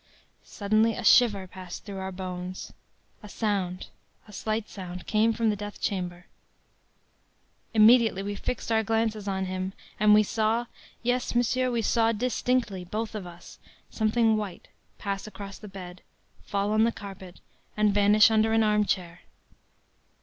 “Suddenly a shiver passed through our bones: a sound, a slight sound, came from the death chamber. Immediately we fixed our glances on him, and we saw, yes, monsieur, we saw distinctly, both of us, something white pass across the bed, fall on the carpet, and vanish under an armchair.